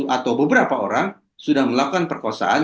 atau beberapa orang sudah melakukan perkosaan